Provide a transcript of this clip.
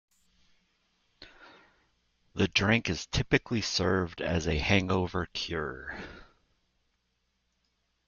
The drink is typically served as a hangover cure.